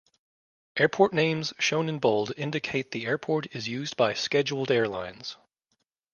Airport names shown in bold indicate the airport is used by scheduled airlines.